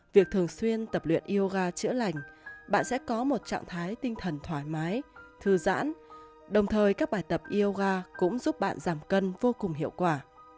việc thường xuyên tập luyện yoga chữa lành bạn sẽ có một trạng thái tinh thần thoải mái thư giãn đồng thời các bài tập yoga cũng giúp bạn giảm cân vô cùng hiệu quả